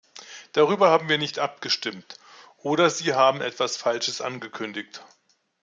Darüber haben wir nicht abgestimmt, oder Sie haben etwas Falsches angekündigt.